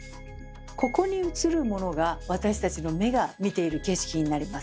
ここに映るものが私たちの目が見ている景色になります。